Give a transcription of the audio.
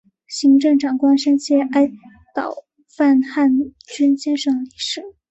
行政长官深切哀悼潘汉荣先生离世